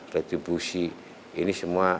retribusi ini semua